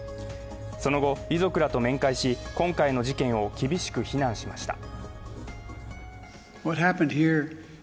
その後、遺族らと面会し、今回の事件を厳しく非難しました。